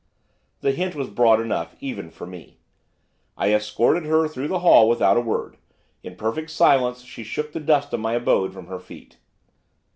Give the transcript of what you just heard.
The hint was broad enough, even for me. I escorted her through the hall without a word, in perfect silence she shook the dust of my abode from off her feet.